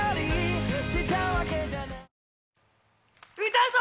「歌うぞ！